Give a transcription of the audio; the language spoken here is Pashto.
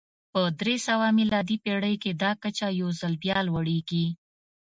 په درې سوه میلادي پېړۍ کې دا کچه یو ځل بیا لوړېږي